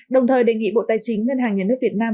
đồng thời đề nghị bộ tài chính ngân hàng nhà nước việt nam